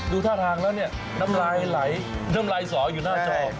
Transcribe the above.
ท่าทางแล้วเนี่ยน้ำลายไหลน้ำลายสออยู่หน้าจอ